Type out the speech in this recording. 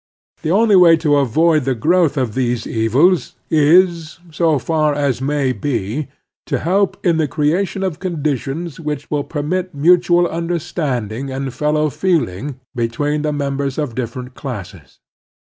The only way to avoid the growth of these evils is, so far as may be, to help in the creation of con ditions which will permit mutual understancffilg and fellow feeling between the members of d Ser ent classes.